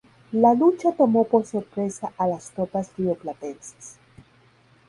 La lucha tomó por sorpresa a las tropas rioplatenses.